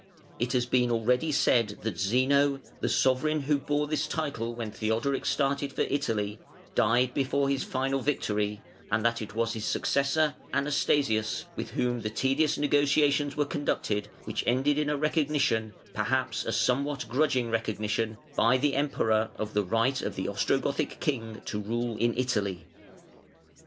It has been already said that Zeno, the sovereign who bore this title when Theodoric started for Italy, died before his final victory, and that it was his successor, Anastasius, with whom the tedious negotiations were conducted which ended (497) in a recognition, perhaps a somewhat grudging recognition, by the Emperor of the right of the Ostrogothic king to rule in Italy.